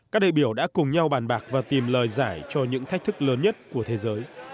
các đại biểu đã cùng nhau bàn bạc và tìm lời giải cho những thách thức lớn nhất của thế giới